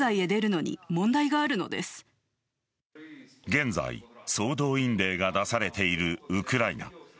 現在総動員令が出されているウクライナ。